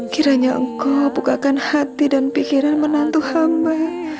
kiranya engkau bukakan hati dan pikiran menantu hamba